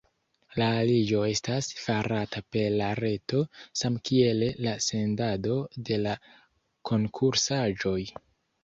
La aliĝo estas farata per la reto, samkiel la sendado de la konkursaĵoj.